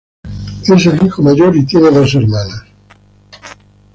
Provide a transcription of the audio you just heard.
Es el hijo mayor y tiene dos hermanas.